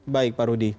baik pak rudi